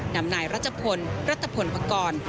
นำนายรัชพลรัฐพลพกร